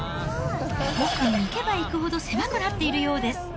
奥に行けば行くほど、狭くなっているようです。